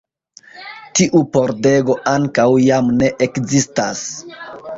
Tiu pordego ankaŭ jam ne ekzistas.